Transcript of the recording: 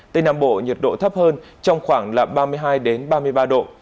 tây nam bộ nhiệt độ thấp hơn trong khoảng là ba mươi hai ba mươi ba độ